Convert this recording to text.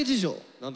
何だ？